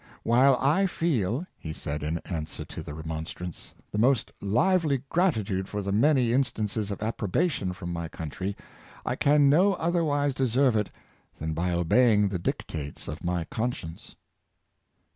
'^ While I feel," he said in answer to the re monstrance, " the most lively gratitude for the many in stances of approbation from my country, I can no oth erwise deserve it than by obeying the dictates of my conscience."